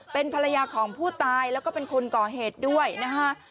เป็นภรรยาของผู้ตายแล้วก็เป็นคนก่อเหตุด้วยนะฮะ